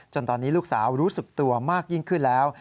ตอนนี้ลูกสาวรู้สึกตัวมากยิ่งขึ้นแล้ว